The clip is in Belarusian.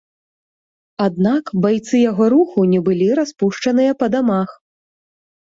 Аднак байцы яго руху не былі распушчаныя па дамах.